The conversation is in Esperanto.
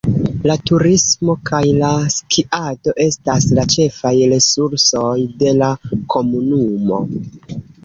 La turismo kaj la skiado estas la ĉefaj resursoj de la komunumo.